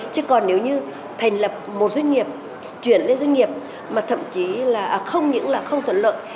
chứ còn nếu như thành lập một doanh nghiệp chuyển lên doanh nghiệp mà thậm chí là không những là không thuận lợi